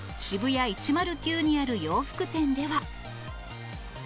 渋谷１０９にある洋服店では。